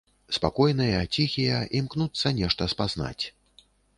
Спакойныя, ціхія, імкнуцца нешта спазнаць.